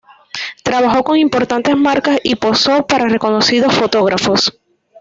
Trabajó con importantes marcas y posó para reconocidos fotógrafos.